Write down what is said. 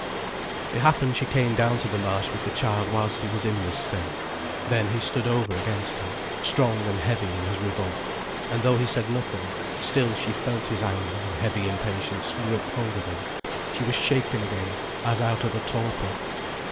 It happened she came down to the Marsh with the child whilst he was in this state. Then he stood over against her, strong and heavy in his revolt, and though he said nothing, still she felt his anger and heavy impatience grip hold of her, she was shaken again as out of a torpor.